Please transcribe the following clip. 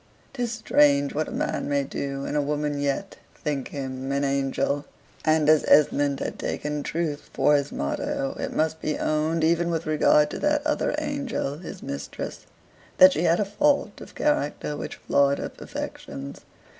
'Tis strange what a man may do, and a woman yet think him an angel. And as Esmond has taken truth for his motto, it must be owned, even with regard to that other angel, his mistress, that she had a fault of character which flawed her perfections.